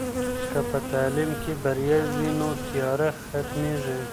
که په تعلیم کې بریا وي، نو تیاره ختمېږي.